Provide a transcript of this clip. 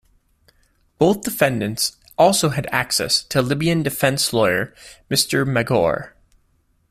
Both defendants also had access to Libyan defence lawyer, Mr. Maghour.